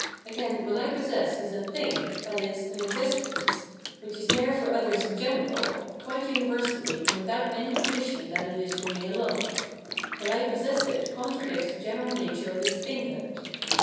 Again, what I possess is a thing, i.e. an existence, which is there for others in general, quite universally and without any condition that it is for me alone. That I possess it contradicts the general nature of its thinghood.